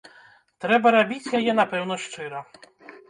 Трэба рабіць яе, напэўна, шчыра.